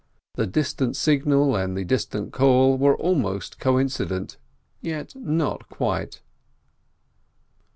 The distant signal and the distant call were almost coincident, yet not quite.